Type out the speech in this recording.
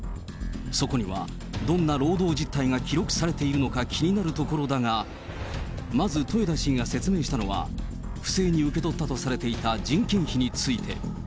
そこにはどんな労働実態が記録されているのか気になるところだが、まず、豊田市議が説明したのは、不正に受け取ったとされていた人件費について。